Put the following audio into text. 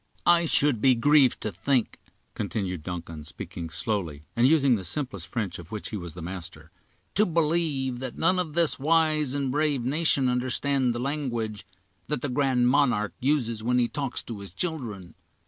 "I should be grieved to think," continued Duncan, speaking slowly, and using the simplest French of which he was the master, "to believe that none of this wise and brave nation understand the language that the 'Grand Monarque' uses when he talks to his children.